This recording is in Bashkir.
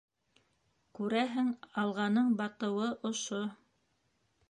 Күрәһең, «Алға»ның батыуы ошо.